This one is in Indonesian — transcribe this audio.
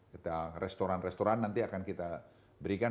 kita restoran restoran nanti akan kita berikan